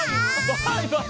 バイバイ。